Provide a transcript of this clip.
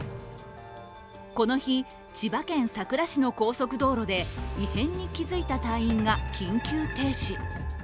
この日、千葉県佐倉市の高速道路で異変に気づいた隊員が緊急停止。